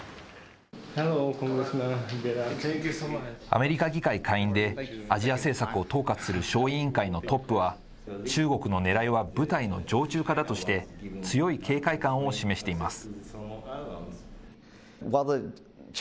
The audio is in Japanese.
アメリカ議会下院でアジア政策を統括する小委員会のトップは、中国のねらいは部隊の常駐化だとして、強い警戒感を示しています。